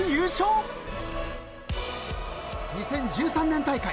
［２０１３年大会。